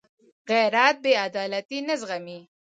غیرت بېعدالتي نه زغمي